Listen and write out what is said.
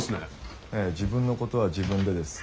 ええ「自分のことは自分で」です。